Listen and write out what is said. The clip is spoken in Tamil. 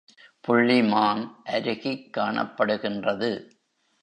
புள்ளிமான் அருகிக் காணப்படுகின்றது.